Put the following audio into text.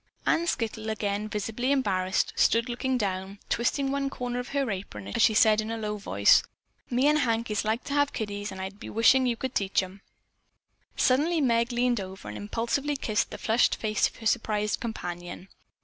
Ann Skittle, again visibly embarrassed, stood looking down, twisting one corner of her apron as she said in a low voice: "Me an' Hank is like to have kiddies an' I'd be wishin' you could teach 'em." Suddenly Meg leaned over and impulsively kissed the flushed face of her surprised companion.